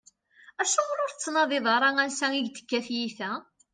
Acuɣeṛ ur tettnadiḍ ara ansa i ak-d-tekka tyita?